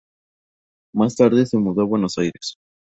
Más tarde se mudó a Buenos Aires.